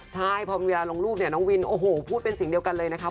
ใช่พอมีเวลาลงรูปเนี่ยน้องวินโอ้โหพูดเป็นเสียงเดียวกันเลยนะคะ